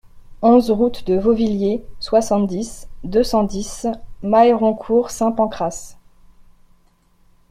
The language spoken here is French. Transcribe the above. onze route de Vauvillers, soixante-dix, deux cent dix, Mailleroncourt-Saint-Pancras